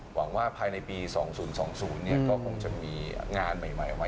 หวังว่าภายในปี๒๐๒๐ก็คงจะมีงานใหม่ออกมา